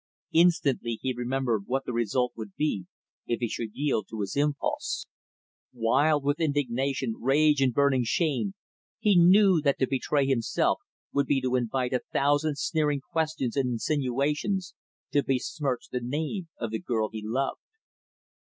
Instantly, he remembered what the result would be if he should yield to his impulse. Wild with indignation, rage, and burning shame, he knew that to betray himself would be to invite a thousand sneering questions and insinuations to besmirch the name of the girl he loved.